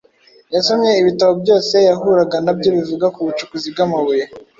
Yasomye ibitabo byose yahuraga na byo bivuga ku bucukuzi bw’amabuye